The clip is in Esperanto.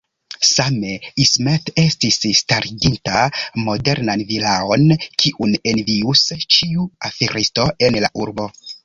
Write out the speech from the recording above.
Same, Ismet estis stariginta modernan vilaon, kiun envius ĉiu aferisto en la urbo.